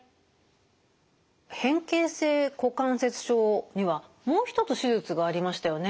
変形性股関節症にはもう一つ手術がありましたよね。